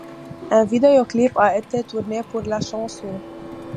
Un vidéo-clip a été tourné pour la chanson.